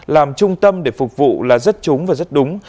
làm trung tâm để phục vụ là rất trúng và rất đúng